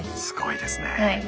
すごいですね。